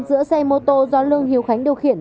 giữa xe mô tô do lương hiếu khánh điều khiển